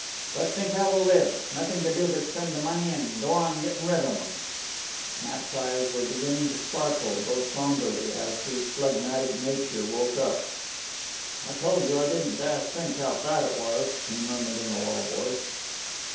"But think how we'll live! Nothin' to do but spend the money an' go on gettin' rid of 'em." Matt's eyes were beginning to sparkle, though sombrely, as his phlegmatic nature woke up. "I told you I didn't dast think how fat it was," he murmured in a low voice.